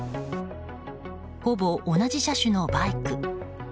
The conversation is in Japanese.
ほぼ同じ車種のバイク。